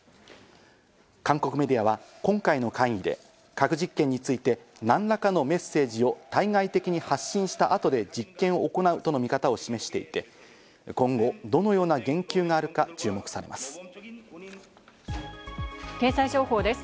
韓国メディアは、今回の会議で核実験について何らかのメッセージを対外的に発信した後で実験を行うとの見方を示していて、今後どのような言及があるか注目されます。